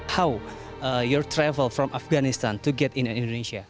bagaimana perjalanan anda dari afganistan untuk masuk ke indonesia